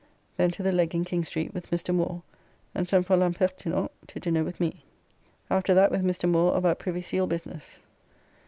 Then to the Leg in King Street with Mr. Moore, and sent for. L'Impertinent to dinner with me. After that with Mr. Moore about Privy Seal business.